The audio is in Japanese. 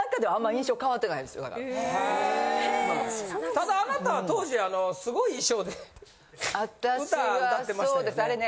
ただあなたは当時あのすごい衣装で歌うたってましたよね。